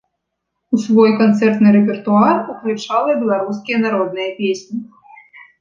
У свой канцэртны рэпертуар ўключала беларускія народныя песні.